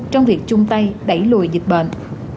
trong việc chung tay đẩy lùi dịch bệnh